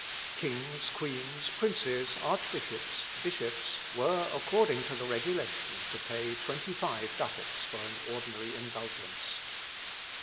Kings, queens, princes, archbishops, bishops, were, according to the regulation, to pay twenty five ducats for an ordinary indulgence.